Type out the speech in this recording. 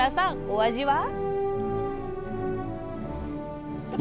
お味は？